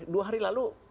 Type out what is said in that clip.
dua hari lalu